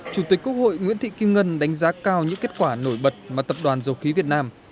chủ tịch quốc hội nguyễn thị kim ngân đánh giá cao những kết quả nổi bật mà tập đoàn dầu khí việt nam